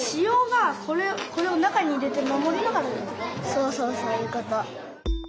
そうそうそういうこと。